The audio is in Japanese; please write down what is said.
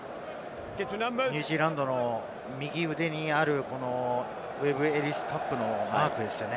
ニュージーランドの右腕にあるウェブ・エリス・カップのマークですね。